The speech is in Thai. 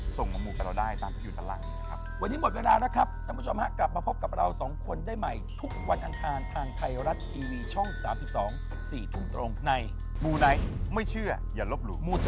ถูกต้องนะครับ